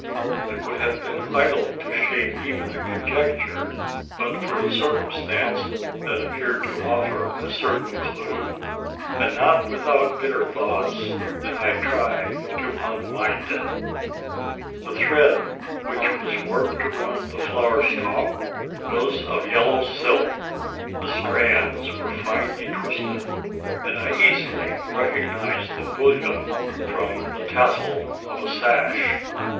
It would have been idle to shape even a conjecture, but for a circumstance, that appeared to offer a certain clue; and, not without bitter thoughts, did I try to unwind it. The thread which was warped around the flower stalks was of yellow silk. The strands were finely twisted; and I easily recognised the bullion from the tassel of a sash.